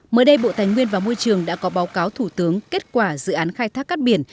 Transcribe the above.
mới đây bộ tài nguyên và môi trường đã có báo cáo thủ tướng kết quả dự án khai thác cát biển